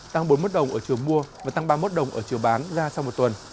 tăng bốn mươi một đồng ở chiều mua và tăng ba mươi một đồng ở chiều bán ra sau một tuần